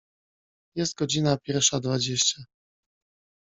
Jest godzina pierwsza dwadzieścia.